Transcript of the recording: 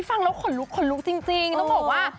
ฟังแล้วขนลุกขนลุกจริงต้องบอกว่า